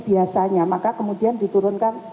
biasanya maka kemudian diturunkan